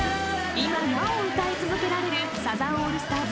今なお歌い続けられるサザンオールスターズ